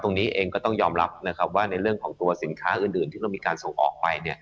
ตรงนี้เองก็ต้องยอมรับนะครับว่าในเรื่องของตัวสินค้าอื่นที่เรามีการส่งออกไป